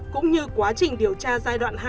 cũng như quá trình điều tra giai đoạn hai